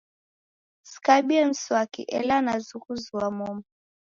Sikabie mswaki ela nazughuzua momu.